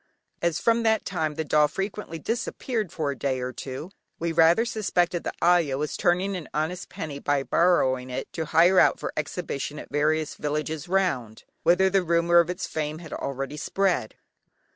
As from that time the doll frequently disappeared for a day or two, we rather suspected the ayah was turning an honest penny, by borrowing it to hire out for exhibition at various villages round, whither the rumour of its fame had already spread.